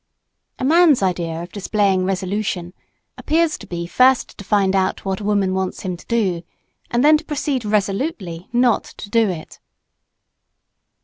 A man's idea of displaying "resolution" appears to be first to find out what a woman wants him to do, and then to proceed "resolutely" not to do it.